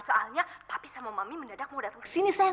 soalnya papi sama mami mendadak mau datang kesini sayang